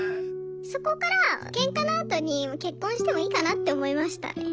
そこからケンカのあとに結婚してもいいかなって思いましたね。